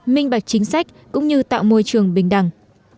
minh bạch chính sách cũng như tạo môi trường bình đẳng